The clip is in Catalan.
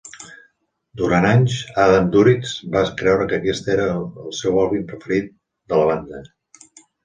Durant anys Adam Duritz va creure que aquest era el seu àlbum preferit de la banda.